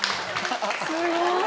すごい！